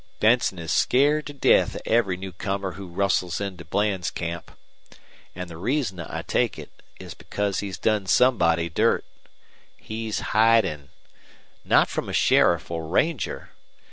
Benson is scared to death of every new comer who rustles into Bland's camp. An' the reason, I take it, is because he's done somebody dirt. He's hidin'. Not from a sheriff or ranger!